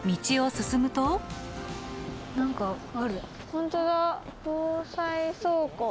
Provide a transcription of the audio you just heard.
本当だ。